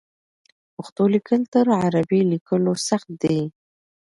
پښتو لیکل تر عربي لیکلو سخت دي.